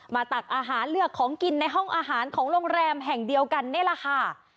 ตักอาหารเลือกของกินในห้องอาหารของโรงแรมแห่งเดียวกันนี่แหละค่ะ